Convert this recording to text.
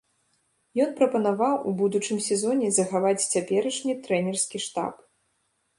Ён прапанаваў у будучым сезоне захаваць цяперашні трэнерскі штаб.